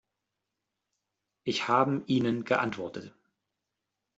Ich haben Ihnen geantwortet.